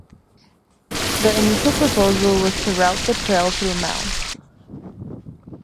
The initial proposal was to route the trail through Mt.